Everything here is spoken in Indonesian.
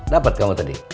dapet kamu tadi